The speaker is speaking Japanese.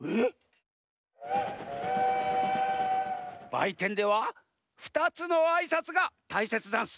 ばいてんではふたつのあいさつがたいせつざんす。